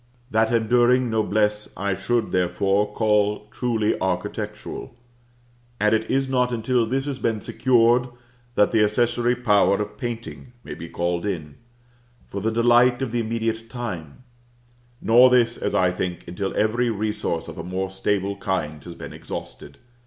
That enduring noblesse I should, therefore, call truly architectural; and it is not until this has been secured that the accessory power of painting may be called in, for the delight of the immediate time; nor this, as I think, until every resource of a more stable kind has been exhausted.